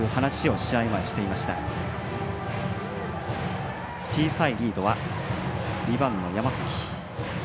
小さいリードは２番の山崎。